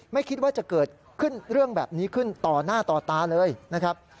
ไม่คิดว่าจะเกิดขึ้นเรื่องแบบนี้ขึ้นต่อหน้าต่อตาเลยนะครับ